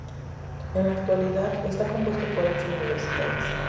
En la actualidad, está compuesto por ocho universidades.